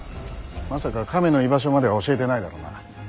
まさか亀の居場所までは教えてないだろうな。